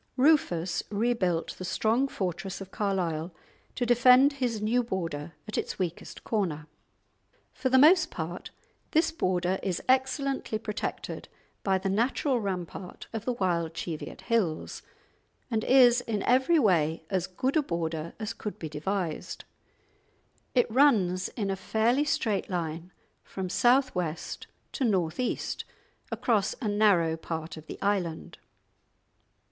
Rufus rebuilt the strong fortress of Carlisle to defend his new border at its weakest corner. For the most part this border is excellently protected by the natural rampart of the wild Cheviot Hills, and is in every way as good a border as could be devised. It runs in a fairly straight line from south west to north east, across a narrow part of the island.